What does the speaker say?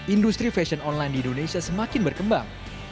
industri fashion online di indonesia semakin berkembang